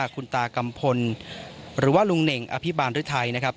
คุณตากัมพลหรือว่าลุงเหนย์อภิบาลฤทัย